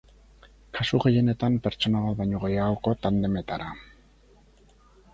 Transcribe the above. Kasu gehienetan, pertsona bat baino gehiagoko tandemetara.